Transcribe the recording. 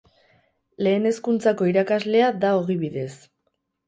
Lehen Hezkuntzako irakaslea da ogibidez.